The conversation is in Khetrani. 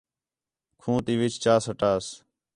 کھوں تی وِِچ چا سٹاس